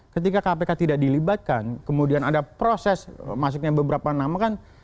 ketika kpk tidak dilibatkan kemudian ada proses masuknya beberapa nama kan